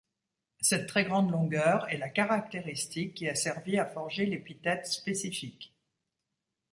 Cette très grande longueur est la caractéristique qui a servi à forger l'épithète spécifique.